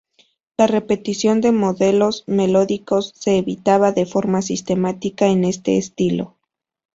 La repetición de modelos melódicos se evitaba de forma sistemática en este estilo.